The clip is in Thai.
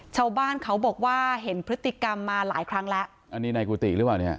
ชาวบ้านเขาบอกว่าเห็นพฤติกรรมมาหลายครั้งแล้ว